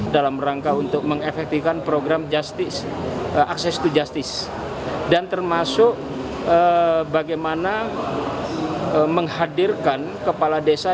dalam rangka untuk mengefektifkan program justice access to justice dan termasuk bagaimana menghadirkan kepala desa